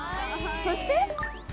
そして。